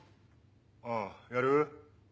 あっやる？